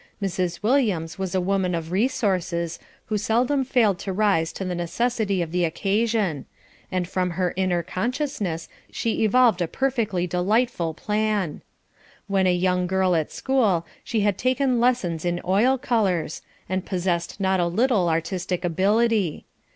Mrs. Williams was a woman of resources, who seldom failed to rise to the necessity of the occasion; and from her inner consciousness she evolved a perfectly delightful plan. When a young girl at school, she had taken lessons in oil colours, and possessed not a little artistic ability.